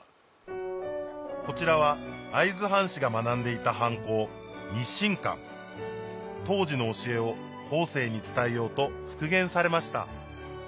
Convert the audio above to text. こちらは会津藩士が学んでいた当時の教えを後世に伝えようと復元されました